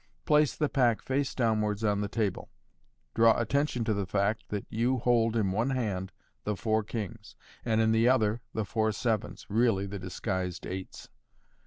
Place the pack face downwards on the table. Draw attention to the fact that you hold in one hand the four kings, and in the other the four sevens (really the disguised eights).